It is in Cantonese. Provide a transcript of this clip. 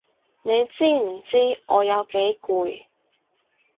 你知唔知我有幾攰？